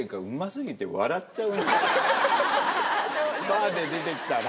バーで出てきたら。